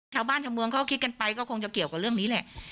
ชาวบ้านชาวเมืองเขาก็คิดกันไปก็คงจะเกี่ยวกับเรื่องนี้แหละ